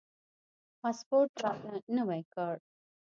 پاسپورټ راته نوی کړ.